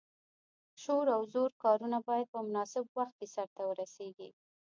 شور او زور کارونه باید په مناسب وخت کې سرته ورسیږي.